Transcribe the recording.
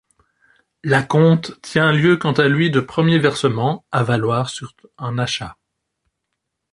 L'acompte tient lieu quant à lui de premier versement à valoir sur un achat.